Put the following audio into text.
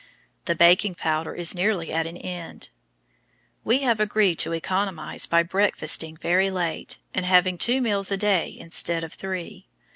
The baking powder is nearly at an end. We have agreed to economize by breakfasting very late, and having two meals a day instead of three.